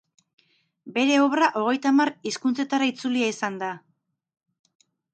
Bere obra hogeita hamar hizkuntzetara itzulia izan da.